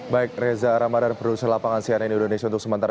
baik reza ramadhan produser lapangan sianen indonesia untuk sementara